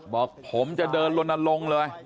บอกผมจะเดินลนลงเลย